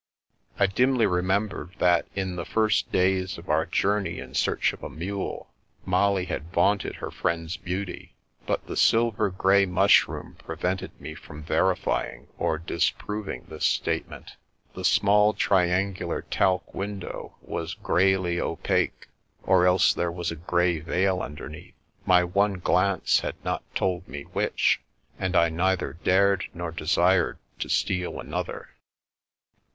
I dimly remembered that, in the first da3rs of our journey in search of a mule, Molly had vaunted her friend's beauty, but the silver grey mushroom pre vented me from verifying or disproving this state ment. The small, triangular talc window was greyly opaque, or else there was a grey veil under neath; my one glance had not told me which, and I neither dared nor desired to steal another.